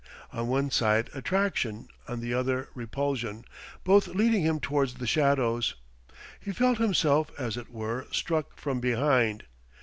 On one side, attraction; on the other, repulsion; both leading him towards the shadows. He felt himself, as it were, struck from behind.